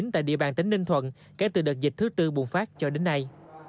tại địa bàn tỉnh ninh thuận kể từ đợt dịch thứ tư bùng phát cho đến nay